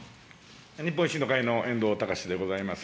日本維新の会の遠藤敬でございます。